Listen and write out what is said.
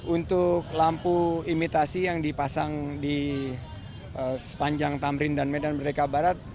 untuk lampu imitasi yang dipasang di sepanjang tamrin dan medan merdeka barat